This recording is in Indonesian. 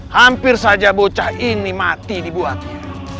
hampir saja bocah ini mati dibuatnya